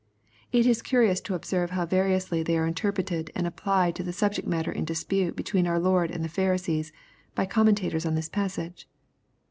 It is curious to observe how variously they are interpreted and applied to the subject matter in dispute between our Lord and the Pharisees, by commentators on this passage.